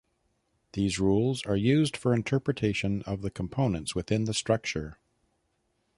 These rules are used for interpretation of the components within the structure.